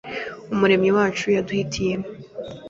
Umuremyi wacu yaduhitiyemo